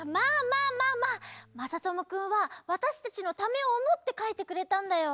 まさともくんはわたしたちのためをおもってかいてくれたんだよ。